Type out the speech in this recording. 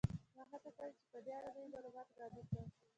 ما هڅه کړې چې په دې اړه نوي معلومات وړاندې کړم